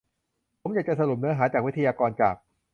ผมอยากจะสรุปเนื้อหาจากวิทยากรจาก